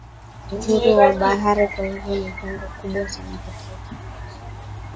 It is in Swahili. uhuru wa habari Kwa hiyo ni pengo kubwa sana kwa Taifa na tasnia